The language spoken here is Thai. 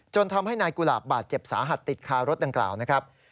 ทำให้นายกุหลาบบาดเจ็บสาหัสติดคารถดังกล่าวนะครับ